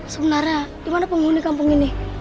sebenarnya gimana penghuni kampung ini